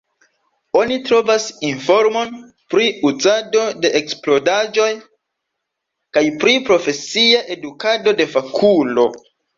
Oni trovas informon pri uzado de eksplodaĵoj kaj pri profesia edukado de fakulo.